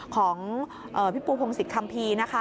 ของพี่ปูพงศิษยคัมภีร์นะคะ